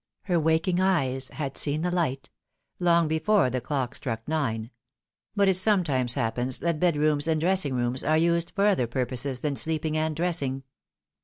Her waking eyes had seen the light long before the clock struck nine. But it sometimes happens that bedrooms and dressing rooms are used for. other purposes than sleeping and dressing.